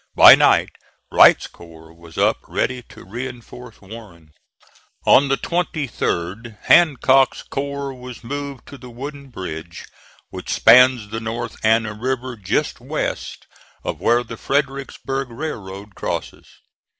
By night Wright's corps was up ready to reinforce Warren. On the 23d Hancock's corps was moved to the wooden bridge which spans the North Anna River just west of where the Fredericksburg Railroad crosses.